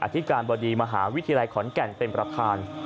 ธิการบดีมหาวิทยาลัยขอนแก่นเป็นประธาน